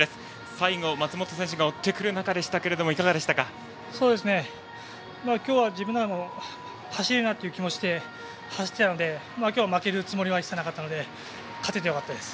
最後、松本選手が追ってくる中でしたが今日は自分で走れるなという気持ちで走ったので今日は負けるつもりは一切なかったので勝ててよかったです。